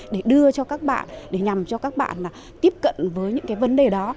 để đưa cho các bạn để nhằm cho các bạn tiếp cận với những cái vấn đề đó